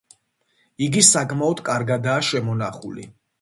იგი საკმაოდ კარგადაა შემონახული.